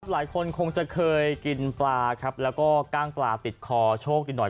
หลายคนคงจะเคยกินปลาครับแล้วก็กล้างปลาติดคอโชคดีหน่อย